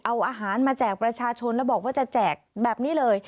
เอาอาหารมาแจกประชาชนแล้วบอกว่าจะแจกแบบนี้เลย